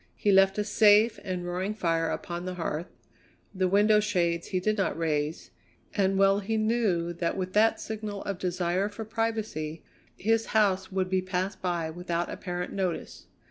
He left a safe and roaring fire upon the hearth; the window shades he did not raise, and well he knew that with that signal of desire for privacy his house would be passed by without apparent notice.